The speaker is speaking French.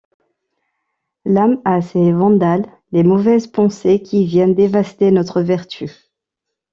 L’âme a ses vandales, les mauvaises pensées, qui viennent dévaster notre vertu.